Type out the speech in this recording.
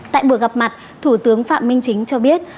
tại buổi gặp mặt thủ tướng phạm minh chính cho biết